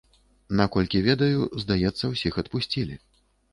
Наколькі ведаю, здаецца, усіх адпусцілі.